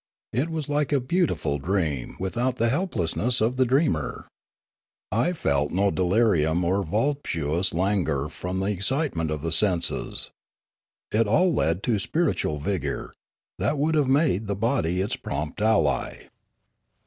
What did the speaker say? It was like a beautiful dream without the helplessness of the dreamer. I felt no delirium or voluptuous languor from the excitement of the senses. It all led to spiritual vigour, that would have made the body its prompt ally.